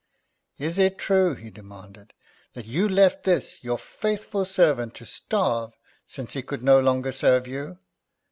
"Is it true," he demanded, "that you left this, your faithful servant, to starve, since he could no longer serve you?